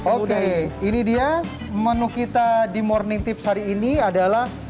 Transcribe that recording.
oke ini dia menu kita di morning tips hari ini adalah